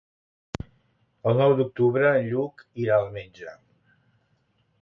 El nou d'octubre en Lluc irà al metge.